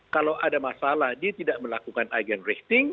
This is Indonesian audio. kalau ada masalah dia tidak melakukan agen rating